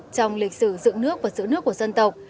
trong lịch sử dựng nước và giữ nước của dân tộc